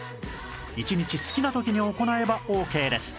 一日好きな時に行えばオーケーです